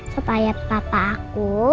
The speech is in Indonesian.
supaya bapak aku